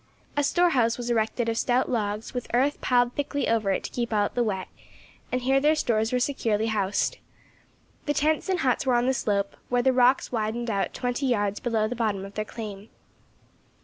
A storehouse was erected of stout logs, with earth piled thickly over it to keep out the wet, and here their stores were securely housed. The tents and huts were on the slope, where the rocks widened out twenty yards below the bottom of their claim.